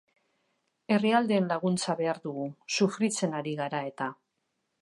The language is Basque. Herrialdeen laguntza behar dugu, sufritzen ari gara eta.